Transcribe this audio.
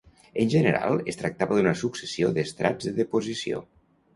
En general, es tractava d'una successió d'estrats de deposició.